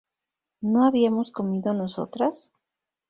¿no habíamos comido nosotras?